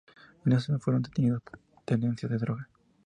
Ese año fueron detenidos por tenencia de droga.